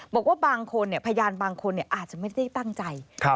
บอกว่าบางคนพยานบางคนอาจจะไม่ได้ตั้งใจ